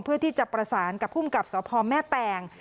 เพื่อที่จะประสานกับภูมิกับสพแม่แตง